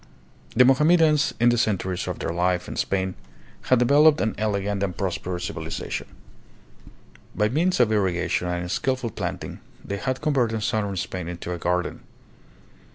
The Mohammedans, in the centuries of their life in Spain, had developed an elegant and prosperous civiliza tion. By means of irrigation and skillful planting, they had converted southern Spain into a garden.